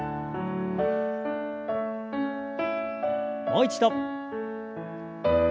もう一度。